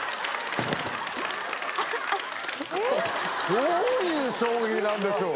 どういう衝撃なんでしょう。